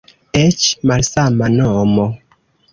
Eĉ malsama nomo.